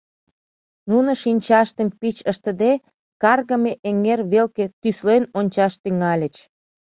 Нуно, шинчаштым пич ыштыде, Каргыме эҥер велке тӱслен ончаш тӱҥальыч.